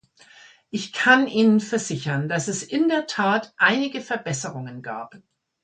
Ich kann Ihnen versichern, dass es in der Tat einige Verbesserungen gab.